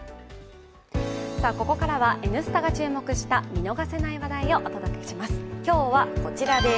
ここからは、「Ｎスタ」が注目した見逃せない話題をお届けします。